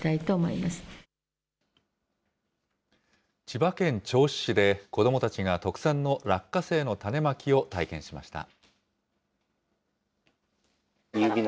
千葉県銚子市で、子どもたちが特産の落花生の種まきを体験しました。